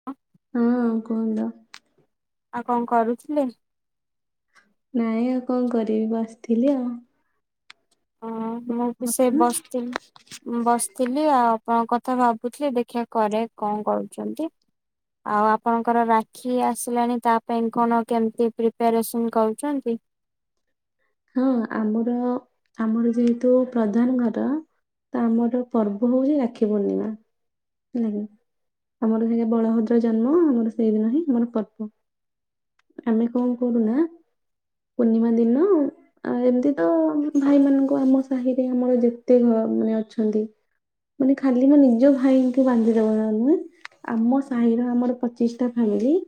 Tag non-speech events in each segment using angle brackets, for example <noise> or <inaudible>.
<inaudible> ହଁ କୁହନ୍ତୁ। ଆଉ କଣ କରୁଥିଲେ? ନାଇଁ ଆଉ କଣ କରିବି ବସିଥିଲି ଆଉ। ହଁ ମୁଁ ବି ସେ ଆପଣ? ବସିଥିଲି ବସିଥିଲି ଆଉ। ଆପଣ ଙ୍କ କଥା ଭାବୁଥିଲି ଦେଖିବା କରେ କଣ କରୁଛନ୍ତି। ଆଉ ଆପଣଙ୍କର ରାକ୍ଷୀ ଆସିଲାଣି ତା ପାଇଁ କଣ କେମିତି ପ୍ରିପାରେସନ୍ କରୁଛନ୍ତି? ହଁ ଆମର ଆମର ଯେହେତୁ ପ୍ରଧାନ ଘର। ତ ଆମର ପର୍ବ ହଉଚି ରାକ୍ଷୀ ପୂର୍ଣ୍ଣିମା। ହେଲାକି। ଆମର ହେଇଦିନ ବଳଭଦ୍ର ଜନ୍ମ, ଆମର ସେଇଦିନ ହିଁ ଆମର ପର୍ବ। ଆମେ କଣ କରୁନା ପୂର୍ଣ୍ଣିମା ଦିନ ଆ ଏମିତି ତ ଭାଇ ମାନଙ୍କୁ ଆମ ସାହିରେ ଆମର ଯେତେ ଘ ମାନେ ଅଛନ୍ତି। ମାନେ ଖାଲି ମୋ ନିଜ ଭାଇଙ୍କୁ ବାନ୍ଧି ଦବ ନା ନୁହେଁ ଆମ ସାହିର ଆମର ପଚିଶ ଟା ଫାମିଲି।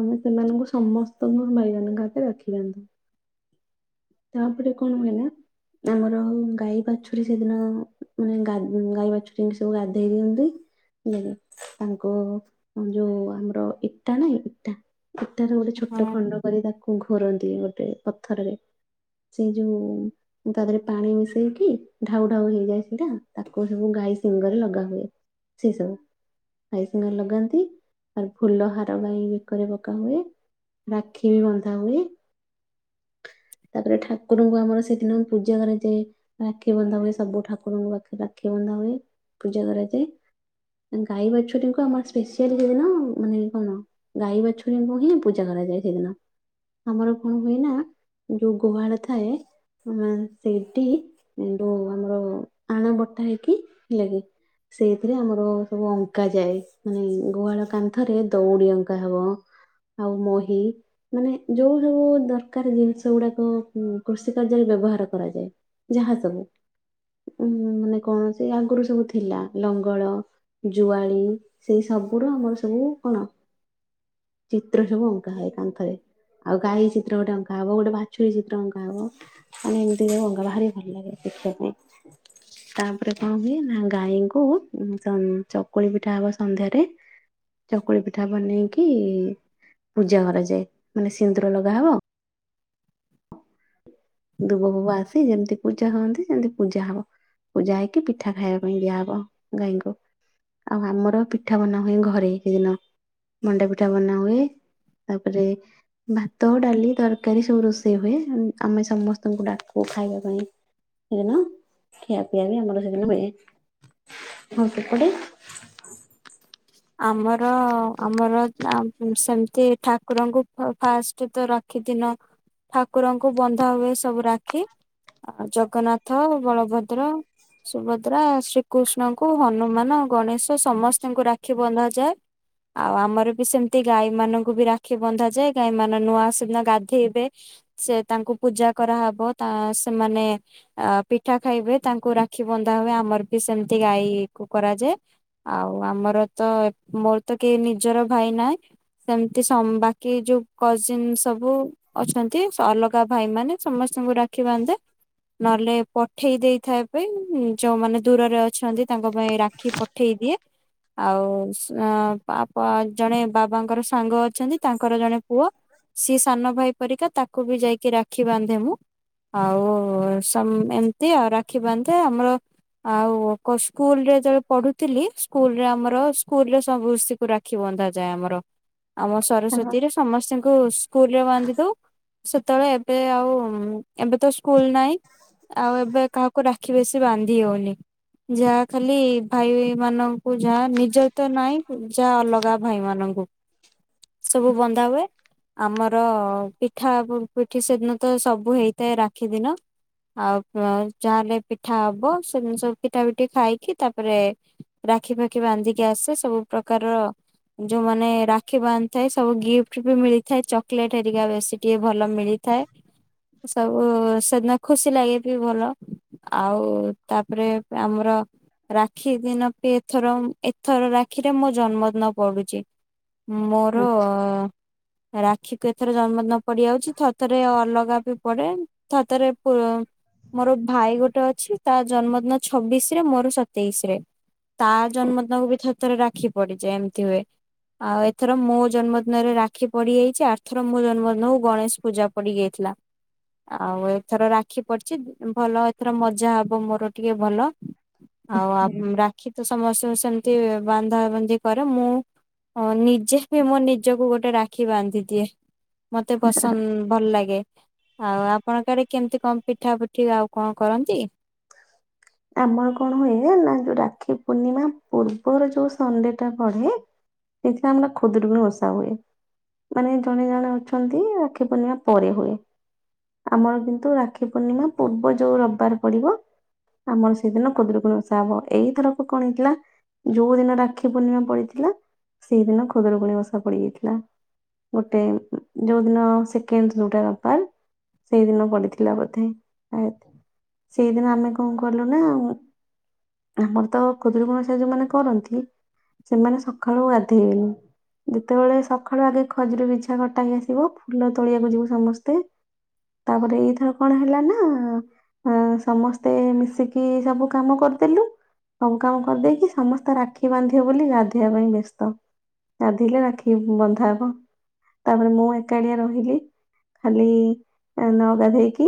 ଆମେ ସେମାନଙ୍କୁ ସମସ୍ତଙ୍କୁ ଭାଇମାନନଙ୍କ ହାତରେ ରାକ୍ଷୀ ବାନ୍ଧୁ। ତାପରେ କଣ ହୁଏନା ଆମର ଗାଈ ବାଛୁରୀ ସେଦିନ ମାନେ ଗାଈ ବାଛୁରୀ ଙ୍କିି ସବୁ ଗାଧେଇ ଦିଅନ୍ତି। ତାଙ୍କ ଯୋଉ ଆମର ଇଟା ନାହିଁ ଇଟା ଇଟାର ଗୋଟେ ଛୋଟ ହଁ। ଖଣ୍ଡ କରି ତାକୁ ଘୋରନ୍ତି ଗୋଟେ ପଥରରେ। ସେଇ ଯୋଉ ତା ଦେହରେ ପାଣି ମିଶେଇକି ଢାଉ ଢାଉ ହେଇଯାଏ ସେଇଟା, ତାକୁ ସବୁ ଗାଈ ଶିଙ୍ଗରେ ଲଗା ହୁଏ। ସେଇ ସବୁ। ଖାଇସିଙ୍ଗରେ ଲଗାନ୍ତି। ତାକୁ ଫୁଲ ହାର ପାଇଁ ବେକରେ ପକା ହୁଏ। ରାକ୍ଷୀ ବି ବନ୍ଧା ହୁଏ। ତାପରେ ଠାକୁରଙ୍କୁ ଆମର ସେଦିନ ପୂଜା କରାଯାଏ। ରାକ୍ଷୀ ବନ୍ଧା ହୁଏ ସବୁ ଠାକୁରଙ୍କ ପାଖରେ ରାକ୍ଷୀ ବନ୍ଧା ହୁଏ ପୂଜା କରାଯାଏ। ଗାଈ ବାଛୁରିଙ୍କୁ ଆମର ସ୍ପେସିଆଲଲିଏନ ମାନେ କଣ ଗାଈ ବାଛୁରୀଙ୍କୁ ହିଁ ପୂଜା କରାଯାଏ ସେଦିନ। ଆମର କଣ ହୁଏ ନା ଯୋଉ ଗୁହାଳ ଥାଏ ସେଠି ଯୋଉ ଆମର ଆଣ ବଟା ହେଇକି ଲାଗି ସେଇଥିରେ ଆମର ସବୁ ଅଙ୍କା ଯାଏ ମାନେ ଗୁହାଳ କାନ୍ଥରେ ଦଉଡି ଅଙ୍କା ହବ ଆଉ ମୋହି ମାନେ ଯୋଉ ଯୋଉ ଦରକାର ଜିନିଷ- ସେଗୁଡାକ କୃଷି କାର୍ଯ୍ୟରେ ବ୍ୟବହାର କରାଯାଏ। ଯାହା ସବୁ। ଉଁ ମାନେ କଣ ସେ ଆଗରୁ ସବୁ ଥିଲା ଲଙ୍ଗଳ ଜୁଆଳି ସେଇ ସବୁର ଆମର ସବୁ କଣ ଚିତ୍ର ସବୁ ଅଙ୍କା ହୁଏ କାନ୍ଥରେ ଆଉ ଗାଈ ଚିତ୍ର ଗୋଟେ ଅଙ୍କା ହବ ଗୋଟେ ବାଛୁରି ଚିତ୍ର ଅଙ୍କା ହବ ମାନେ ଏମିତି ଯ ଅଙ୍କା ଭାରି ଭଲ ଲାଗେ ଦେଖିବା ପାଇଁ। ତାପରେ କଣ ହୁଏ ନା ଗାଈଙ୍କୁ, ଚକୁଳି ପିଠା ହବ ସନ୍ଧ୍ୟାରେ। ଚକୁଳି ପିଠା ବନେଇକି ପୂଜା କରାଯାଏ। ମାନେ ସିନ୍ଦୁର ଲଗାହବ ଦୁବ ଫୁବ ଆସି ଯେମିତି ପୂଜା ହୁଅନ୍ତି ସେମିତି ପୂଜା ହବ। ପୂଜା ହେଇକି ପିଠା ଖାଇବା ପାଇଁ ଦିଆହବ ଗାଈଙ୍କୁ। ଆଉ ଆମର ପିଠା ବନା ହୁଏ ଘରେ ସେଦିନ। ମଣ୍ଡା ପିଠା ବନା ହୁଏ ତାପରେ ଭାତ ଡାଲି ତରକାରୀ ସବୁ ରୋଷେଇ ସେ ହୁଏ ଆମେ ସମସ୍ତଙ୍କୁ ଡାକୁ ଖାଇବା ପାଇଁ। ସେଦିନ ଖିଆପିଆ ବି ଆମର ସେଦିନ ମିଳେ। ଆଉ ସେପଟେ? ଆମର ଆମର ସେମିତି ଠାକୁରଙ୍କୁ ଫାଷ୍ଟ ତ ର ରାକ୍ଷୀ ଦିନ ଠାକୁରଙ୍କୁ ବନ୍ଧା ହୁଏ ସବୁ ରାକ୍ଷୀ। ଆଉ ଜଗନ୍ନାଥ, ବଳଭଦ୍ର ସୁଭଦ୍ରା, ଶ୍ରୀକୃଷ୍ଣଙ୍କୁ, ହନୁମାନ, ଗଣେଶ ସମସ୍ତଙ୍କୁ ରା ରାକ୍ଷୀ ବନ୍ଧାଯାଏ। ଆଉ ଆମର ବି ସେମିତି ଗାଈ ମାନଙ୍କୁ ବି ରାକ୍ଷୀ ବନ୍ଧାଯାଏ। ଗାଈ ମାନ ନୂଆ ସେଦିନ ଗାଧେଇବେ। ସେ ତାଙ୍କୁ ପୂଜା କରାହବ। ତା ସେମାନ ଅ ପିଠା ଖାଇବେ ତାଙ୍କୁ ରାକ୍ଷୀ ବନ୍ଧା ହୁଏ ଆମର ବି ସେମିତି ଗାଈ କୁ କରାଯାଏ। ଆଉ ଆମର ତ ମୋର ତ କେହି ନିଜର ଭାଇ ନାହିଁ ସେମିତି ସ ବାକି ଯୋଉ କଜିନ ସବୁ ଅଛନ୍ତି ଅଲଗା ଭାଇ ମାନେ ସମସ୍ତଙ୍କୁ ରାକ୍ଷୀ ବାନ୍ଧେ। ନହେଲେ ପଠେଇ ଦେଇଥାଏ ପାଇଁ ଯୋଉମାନେ ଦୂରରେ ଅଛନ୍ତି ତାଙ୍କ ପାଇଁ ରାକ୍ଷୀ ପଠେଇ ଦିଏ। ଆଉ <unintelligible> ଜଣେ ବାବାଙ୍କର ସାଙ୍ଗ ଅଛନ୍ତି ତାଙ୍କର ଜଣେ ପୁଅ ସିଏ ସାନ ଭାଇ ପରିକା ତାକୁ ବି ଯାଇକି ରା ରାକ୍ଷୀ ବାନ୍ଧେ ମୁଁ ଆଉ ଏମତି ଆଉ ରାକ୍ଷୀ ବାନ୍ଧେ ଆମର ଆଉ ଏକ ସ୍କୁଲ ରେ ଯେତେବେଳେ ପଢୁଥିଲି ସ୍କୁଲରେ ସ୍କୁଲରେ ସବୁସିକୁ ରାକ୍ଷୀ ବନ୍ଧାଯାଏ ଆମର। ଆମ ସରସ୍ଵତୀରେ ସମସ୍ତିଙ୍କୁ ସ୍କୁଲ ରେ ବାନ୍ଧି ଦଉ। ସେତେବେଳେ ଏବେ ଆଉ ଏବେ ତ ସ୍କୁଲ ନାହିଁ। ଆଉ ଏବେ କାହାକୁ ରାକ୍ଷୀ ବେଶୀ ବାନ୍ଧି ହଉନି। ଯାହା ଖାଲି ଭାଇ ମାନଙ୍କୁ ଯାହା ଯତ ନାଇଁ ପୂଜା ଅଲଗା ଭାଇ ମାନଙ୍କୁ ସବୁ ବନ୍ଧା ହୁଏ। ଆମର ପିଠା ପିଠି ସେଦିନ ତ ସବୁ ହେଇଥାଏ ରାକ୍ଷୀ ଦିନ। ଆଉ ଯାହେଲେ ପିଠା ହବ ସେ ସବୁ ପିଠା ପିଠି ଖାଇକି ତାପରେ ରାକ୍ଷୀ ଫାକ୍ଷୀ ବାନ୍ଧିକି ଆସେ ସବୁ ପ୍ରକାରର ଯୋଉମାନେ ରାକ୍ଷୀ ବାନ୍ଧି ଥାଏ ସବୁ ଗିଫ୍ଟବି ମିଳିଥାଏ। ଚକଲେଟ ହେରିକା ବେଶୀ ଟିକେ ଭଲ ମିଳି ଥାଏ ସବୁ ସେଦିନ ଖୁସି ଲାଗେ ବି ଭଲ। ଆଉ ତାପରେ ଆମର ରାକ୍ଷୀ ଦିନ ପି ଏଥର ଏଥର ରାକ୍ଷୀରେ ମୋ ଜନ୍ମଦିନ ପଡୁଛି। ମୋର ରାକ୍ଷୀକୁୁ ଏଥର ଜନ୍ମ ଦିନ ପଡିଯାଉଛି ଥରେ ଥରେ ଅଲଗା ବି ପଡେ। ଥରେ ଥରେ ପୁର ମୋରୋ ଭାଇ ଗୋଟେ ଅଛି ତା ଜନ୍ମଦିନ ଛବିଶ ରେ ମୋରୋ ସତେଇଶ ରେ। ତା ଜନ୍ମଦିନକୁ ବି ଥରେ ଥରେ ରାକ୍ଷୀ ପଡିଯାଏ ଏମିତି ହୁଏ। ଆଉ ଏଥର ମୋ ଜନ୍ମଦିନରେ ରାକ୍ଷୀ ପଡିଯାଇଚି ଆର୍ଥର ମୋ ଜନ୍ମଦିନ କୁ ଗଣେଶ ପୂଜା। ପଡି ଯାଇଥିଲା। ଆଉ ଏଥର ରାକ୍ଷୀ ପଡିଚି ଭଲ ଏଥର ମଜା ହବ ମୋରୋ ଟିକେ ଭଲ। ଆଉ ଆପ୍ ରାକ୍ଷୀ ତ ସମସ୍ତଙ୍କୁ ସେମିତି ବାନ୍ଧାବନ୍ଧି କରେ ମୁଁ। ହଁ ନିଜେ ବି ମୋ ନିଜକୁ ଗୋଟେ ରାକ୍ଷୀ ବାନ୍ଧି ଦିଏ। ମତେ ପସନ୍ଦ ଭଲ ଲାଗେ। ଆଉ ଆପଣଙ୍କ ଆଡେ କେମିତି କଁ ପିଠା ପୁଠି ଆଉ କଁ କରନ୍ତି? ଆମର କଣ ହୁଏ ନା ଯୋଉ ରାକ୍ଷୀ ପୂର୍ଣ୍ଣିମା ପୂର୍ବର ଯୋଉ ସନଡେ ଟା ପଡେ। ଏଇଥିରେ ଆମର ଖୁଦୁରୁକୁଣି ଓଷା ହୁଏ। ମାନେ ଜଣେ ଜଣେ ଅଛନ୍ତି ରାକ୍ଷୀ ପୂର୍ଣ୍ଣିମା ପରେ ହୁଏ। ଆମର କିନ୍ତୁ ରାକ୍ଷୀ ପୂର୍ଣ୍ଣିମା ପୂର୍ବ ଯେଉଁ ରବାର ପଡ଼ିବ। ଆମର ସେଇଦିନ ଖୁଦୁରୁକୁଣି ଓଷା ହବ ଏଇଥରକ କଣ ହେଇଥିଲା। ଯୋଉ ଦିନ ରାକ୍ଷୀ ପୂର୍ଣ୍ଣିମା ପଡିଥିଲା ସେଇଦିନ ଖୁଦୁରୁକୁୁଣି ଓଷା ପଡିଯାଇଥିଲା। ଗୋଟେ ଯୋଉ ଦିନ ସେକେଣ୍ଡ ଯୋଉଟା ପାଲ ସେଇଦିନ ପଡିଥିଲା ବୋଧେ ଆଏତ୍ ସେଇଦିନ ଆମେ କଁ କଲୁ ନା ଆଉ ଆମର ତ ଖୁଦୁରୁକୁଣୀ ଓଷା ଯୋଉ ମାନେ କରନ୍ତି। ସେମାନେ ସକାଳୁ ଗାଧେଇବେନି। ଯେତେବୋଳେ ସଖାଳୁ ଆଗେ ଖଜୁରୀ ବିଛା କଟା ହେଇ ଆସିବ ଫୁଲ ତୋଳିବାକୁ ଯିବୁ ସମସ୍ତେ। ତାପରେ ଏଇଥର କଣ ହେଲା ନା ଆଁ ସମ ସ୍ତେ ମିଶିକି ସବୁ କାମ କରିଦେଲୁ। ସବୁ କାମ କରିଦେଇକି ସମସ୍ତେ ରାକ୍ଷୀ ବାନ୍ଧିବେ ବୋଲି ଗାଧେଇବା ପାଇଁ ବ୍ୟସ୍ତ। ଗାଧେଇଲି ରାକ୍ଷୀ ବନ୍ଧା ହବ ତାପରେ ମୁଁ ଏକାଟିଆ ରହିଲି। ଖାଲି ଏଁ ନଗାଧେଇକି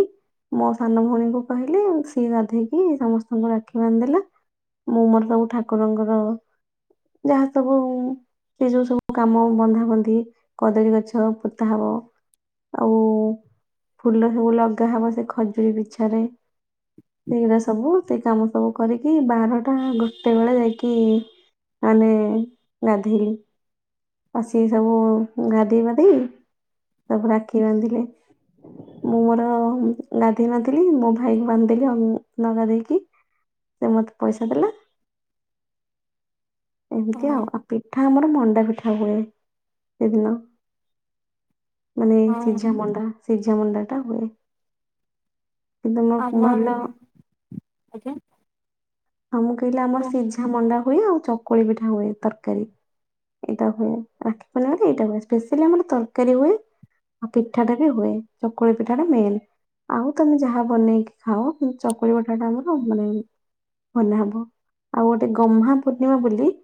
ମୋ ସାନ ଭୋଉଣୀକୁ କହିଲି ସିଏ ଗାଧେଇକି ସମସ୍ତଙ୍କୁ ରାକ୍ଷୀ ବାନ୍ଧି ଦେଲା ମୁଁ ମୋରୋ ସବୁ ଠାକୁରଙ୍କର ଯାହା ସବୁ ଉଁ ସେଇ ଯୋଉ ସବୁ କାମ ବନ୍ଧାବନ୍ଧି କଦଳୀ ଗଛ ପୋତା ହବ ଆଉ ଫୁଲ ସବୁ ଲଗାହବ ସେ ଖଜୁରୀ ବିଛାରେ। <inaudible> ଏଇ ଗୁରା ସବୁ ଏତେ କମ ସବୁ କରିକି ବାରଟା ଗୋଟେ ବେଳେ ଯାଇକି ମାନେ ଗାଧେଇଲି। ଆସିକି ସବୁ ଗାଧେଇ ପାଧେଇ ସବୁ ରାକ୍ଷୀ ବାନ୍ଧିଲେ। ମୁଁ ମୋରୋ ଉଁ ଗାଧେଇ ନଥିଲି ମୋ ଭାଇ ବାନ ଦେଲି ଆଉ ମୁଁ ନ ଗାଧେଇକି ସେ ମତେ ପଇସା ଦେଲା। ଏମିତି ହଁ ଆଉ ଆଉ ପିଠା ଆମର ମଣ୍ଡା ପିଠା ହୁଏ ସେଦିନ। ମାନେ ହଁ ସିଝା ମଣ୍ଡା ସିଝା ମଣ୍ଡା ଟା ହୁଏ। କିନ୍ତୁ ମୋ ଆମ ଭଲ ଆଡେ ବି ଆଜ୍ଞା। ଆଉ ମୁଁ କହିଲି ଆମର ହଁ ସିଝା ମଣ୍ଡା ହୁଏ ଆଉ ଚକୁଳି ପିଠା ହୁଏ ତରକାରୀ। ଏଇଡ଼ା ହୁଏ ରାକ୍ଷୀ ପୂର୍ଣ୍ଣିମାରେ ଏଇଡ଼ା ହୁଏ ସ୍ପେସିଆଲି ଆମର ତରକାରୀ ହୁଏ। ଆଉ ପିଠାଟା ବି ହୁଏ ଚକୁଳି ପିଠା ଟା ମେନ୍। ଆଉ ତମେ ଯାହା ବନେଇକି ଖାଅ ଚକୁଳି ପଠା ଟା ଆମର ମାନେ ବନା ହବ ଆଉ ଗୋଟେ ଗହ୍ମା ପୂର୍ଣ୍ଣିମା ବୋଲି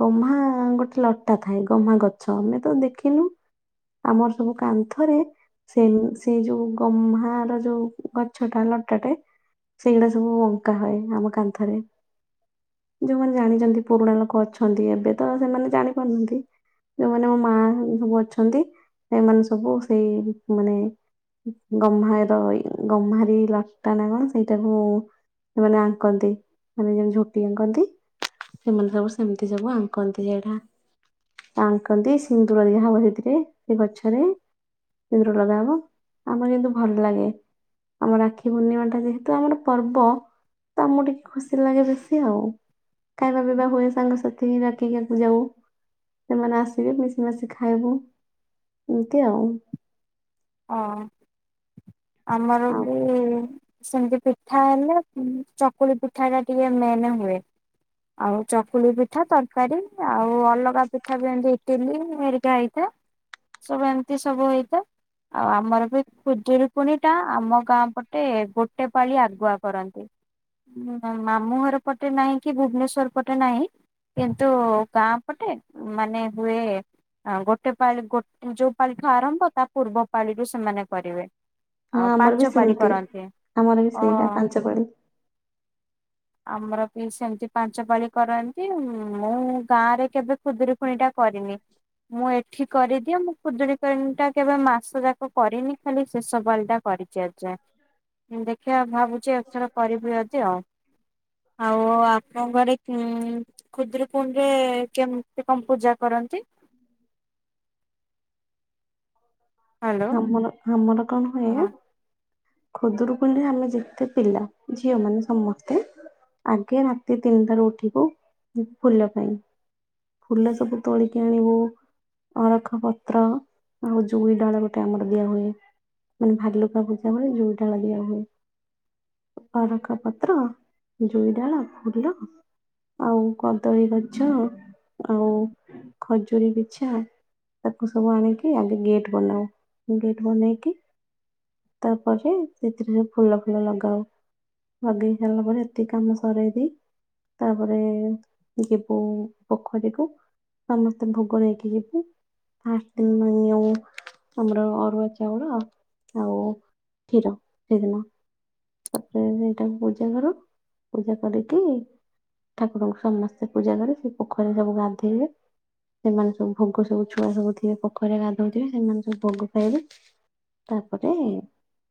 ଗହ୍ମା ଗୋଟେ ଲଟା ଥାଏ ଗହ୍ମା ଗଛ ଆମେ ତ ଦେଖିନୁ ଆମର ସବୁ କାନ୍ଥରେ ସେନ୍ ସେଇ ଯୋଉ ଗହ୍ମା ଯୋଉ ଗଛଟା ଲଟାଟେ ସେଇ ଗୁଡା ସବୁ ଆଙ୍କା ହଏ ଆମ କାନ୍ଥରେ। ଯୋଉମାନେ ଜାଣିଚନ୍ତି ପୁରୁଣା ଲୋକୋ ଅଛନ୍ତି ଏବେ ତ ସେମାନେ ଜାଣି ପାରୁନାହାନ୍ତି। ଯୋଉମାନେ ମୋ ମା ସବୁ ଅଛନ୍ତି ଏମାନେ ସବୁ ସେଇ ମାନେ ଗମ୍ହାର ଗମ୍ହାରି ଲଟା ନାଁ କଣ ସେଇଟାକୁ ଏମାନେ ଆଙ୍କନ୍ତି। ମାନେ ଯେମତି ଝୋଟି ଆଙ୍କନ୍ତି ସେମାନେ ସବୁ ସେମତି ସବୁ ଆଙ୍କନ୍ତି ଯେଠା ତ ଆଙ୍କନ୍ତି ସିନ୍ଦୁୁର ଦିଆ ହବ ସେଇଥିରେ ସେ ଗଛରେ। ସିନ୍ଦୂର ଲଗାହବ ଆମର କିନ୍ତୁ ଭଲ ଲାଗେ। ଆମ ରାକ୍ଷୀ ପୂର୍ଣ୍ଣିମାଟା ଯେହେତୁ ଆମର ପର୍ବ ତ ଆମୁ ଟି ଖୁସି ଲାଗେ ବେଶୀ ଆଉ ଖାଇବା ପିଇବା ହୁଏ ସାଙ୍ଗସାଥି ଡାକିକାକୁ ଯାଉ। ସେମାନେ ଆସିବେ ମିଶି ମାଶି ଖାଇବୁ ଏମିତି ଆଉ। ଅ ଆମର ଆଉ ବି ସେମତି ପିଠା ନୁହେଁ କୁଁ ଚକୁଳି ପିଠାଟା ଟିକେ ମେନ୍ ହୁଏ। ଆଉ ଚକୁଳି ପିଠା ତରକାରୀ ଆଉ ଅଲଗା ପିଠା ବି ଏମତି ଇଟିଲି ହେରିକା ହେଇଥାଏ। ସବୁ ଏମତି ସବୁ ହେଇଥାଏ ଆଉ ଆମର ବି ଖୁଦୁରୁ କୁଣିଟା ଆମ ଗାଁ ପଟେ ଗୋଟେ ପାଳି ଆଗୁଆ କରନ୍ତି। ମୋ ମାମୁଁ ଘର ପଟେ ନାହିଁ କି ଭୁବନେଶ୍ଵର ପଟେ ନାଇଁ। କିନ୍ତୁ ଗାଁ ପଟେ ମାନେ ହୁଏ। ଆ ଗୋଟେ ପାଳି ଗୋ ଯୋଉ ପାଳିଠୁ ଆରମ୍ଭ ତା ପୂର୍ବ ପାଳିରୁ ସେମାନେ କରିବେ। ହଁ ଆଉ ଆମର ପାଞ୍ଚ ବି ପାଳି ସେମତି କରନ୍ତି ଆମର ବି ଅ ସେଇଆ ପାଞ୍ଚ ପାଳି। ଆମର ବି ସେମତି ପାଞ୍ଚ ପାଳି କରନ୍ତି ମୁଁ ଗାଁରେ କେବେ ଖୁଦୁରୁକୁଣିଟା କରିନି। ମୁଁ ଏଠି କରିଦିଏ ମୁଁ ଖୁଦୁରୁକୁଣିଟା କେବେ ମାସ ଯାକ କରିନି ଖାଲି ଶେଷ ପାଳି ଟା କରିଚି ଏଯାଏଁ। ଉଁ ଦେଖିଆ ଭାବୁଚି ଏଥର କରିବି ଅଦି ଆଉ। ଆଉ ଆ ଙ୍କ ଗରେ କୁଁ ଖୁଦରୁକୁଣିରେ କେମତି କଁ ପୂଜା କରନ୍ତି? ହୁଁ ହ୍ୟାଲୋ ବଡ଼ ଆମର ଆମର କଣ ହଁ ହୁଏ ଖଦୁୁରୁକୁଣିରେ ଆମେ ଯେତେ ପିଲା ଝିଅମାନେ ସମସ୍ତେ ଆଗେ ରାତି ତିନିଟାରୁ ଉଠିବୁ ଫୁଲ ପାଇଁ। ଫୁଲ ସବୁ ତୋଳିକି ଆଣିବୁ। ଅରଖ ପତ୍ର ଆଉ ଜୁଇ ଡାଳ ଗୋଟେ ଆମର ଦିଆ ହୁଏ ମାନେ ଭାଲୁକା ବୁ ସେବଳେ ଜୁଇ ଡାଳ ଦିଆ ହୁଏ। ଅରଖ ପତ୍ର ଜୁଇ ଡାଳ ଫୁଲ ଆଉ କଦଳୀ ଗଛ ଆଉ ଖଜୁରୀ ବିଛା ତାକୁ ସବୁ ଆଣିକି ଆଗେ ଗେଟ୍ ବନାଉ ଗେଟ୍ ବନେଇକି ତାପରେ ସେଥିରେ ସେ ଫୁଲ ଫୁଲ ଲଗାଉ। ବାଗେଇ ସାରିଲା ପରେ ଏତିକି କାମ ସରେଦେଇ ତାପରେ ଯିବୁ ପୋଖରୀକୁୁ। ସମସ୍ତେ ଭୋଗ ନେଇକି ଯିବୁ। ଫାଷ୍ଟ୍ ଦିନ ନିଉଁ ଆମର ଅରୁଆ ଚାଉଳ ଆଉ କ୍ଷୀର ସେଦିନ। ତାପରେ ସେଇଟାକୁ ପୂଜା କରୁ ପୂଜା କରିକି ଠାକୁରଙ୍କୁ ସମସ୍ତେ ପୂଜା କରେ ସେ ପୋଖରୀରେ ସବୁ ଗାଧେଇବେ। ସେମାନେ ସବୁ ଭୋଗ ସବୁ ଛୁଆ ସବୁ ଥିବେ ପୋଖରୀରେ ଗାଧୋଉଥିବେ ସେମାନେ ସବୁ ଭୋଗ ଖାଇବେ। ତାପରେ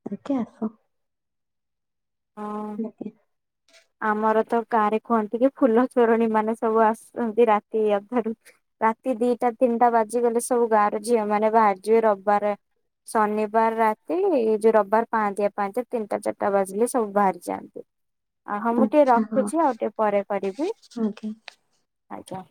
ଅରିକି ଆସୁ। ହଁ। ଆଜ୍ଞା ଆମର ତ ଗାଁରେ କୁହନ୍ତି କି ଫୁଲ ଚୋରଣୀ ମାନେ ସବୁ ଆସୁଛନ୍ତି ରାତି ଅଧାରୁ। ରାତି ଦିଟା ତିନିଟା ବାଜିଗଲେ ସବୁ ଗାଁର ଝିଅମାନେ ବାହାରଯିବେ ରବାରେ ଶନିବାର ରାତି ଯୋଉ ରବିବାର ପାହାନ୍ତିଆ ପାହାନ୍ତିଆ ତିନଟା ଚାରଟା ବାଜିଲେ ସବୁ ବାହାରି ଯାଆନ୍ତି ଅ ହଁ ମୁଁ ଟିକେ ଆଚ୍ଛା ହଁ ରଖୁଛି ଆଉ ଟିକେ ପରେ କରିବି। ଆଜ୍ଞା ଆଜ୍ଞା।